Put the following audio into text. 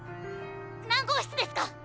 何号室ですか？